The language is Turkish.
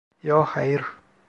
Yo, hayır.